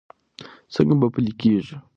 څنګه به پلي کېږي؟